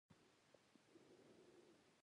پسه د مالدار لپاره سرمایه ده.